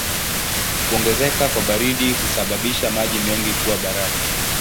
Kuongezeka kwa baridi husababisha maji mengi kuwa barafu.